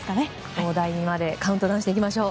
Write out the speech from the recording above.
大台までカウントダウンしていきましょう。